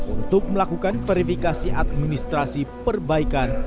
untuk melakukan verifikasi administrasi perbaikan